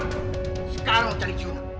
sekarang cari kiuna